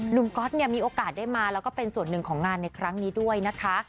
ก๊อตเนี่ยมีโอกาสได้มาแล้วก็เป็นส่วนหนึ่งของงานในครั้งนี้ด้วยนะคะ